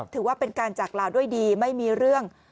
ถือว่าเป็นการจากลาวด้วยดีไม่มีเรื่อง